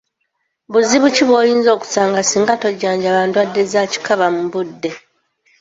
Buzibu ki bw’oyinza okusanga singa tojjanjaba ndwadde za kikaba mu budde?